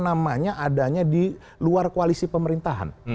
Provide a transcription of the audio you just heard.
namanya adanya di luar koalisi pemerintahan